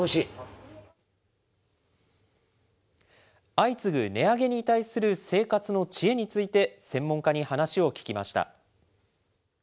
相次ぐ値上げに対する生活の知恵について、専門家に話を聞きました。